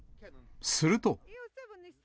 すると。